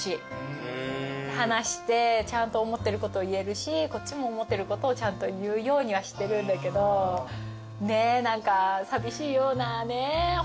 話してちゃんと思ってることを言えるしこっちも思ってることをちゃんと言うようにはしてるんだけどねえ何か寂しいようなね。